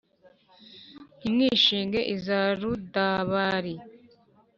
Ntimwishinge iza Rudabari